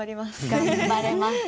頑張れます。